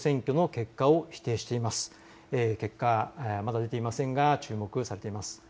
結果、まだ出ていませんが注目されています。